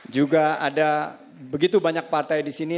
juga ada begitu banyak partai disini